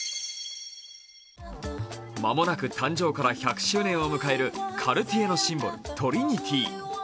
間もなく誕生から１００周年を迎えるカルティエのシンボル、トリニティ。